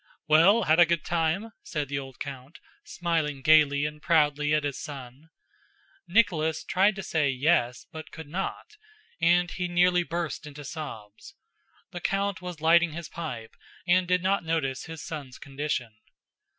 "Well—had a good time?" said the old count, smiling gaily and proudly at his son. Nicholas tried to say "Yes," but could not: and he nearly burst into sobs. The count was lighting his pipe and did not notice his son's condition.